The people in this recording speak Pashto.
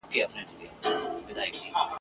په کار تېر کړ ..